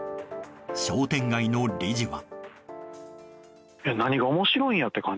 商店街の理事は。